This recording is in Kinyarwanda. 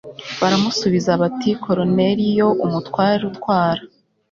baramusubiza bati koruneliyo umutware utwara